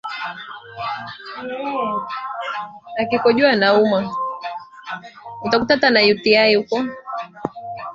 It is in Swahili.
zaidi ana watoto zaidi wa kiume Lakini ikiwa